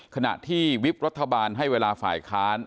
ขณะที่วิบรัฐบาลให้เวลาฝ่ายค้าน